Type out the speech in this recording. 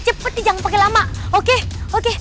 cepet nih jangan pakai lama oke oke